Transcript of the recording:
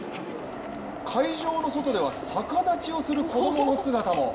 会場の外では逆立ちをする子供の姿も。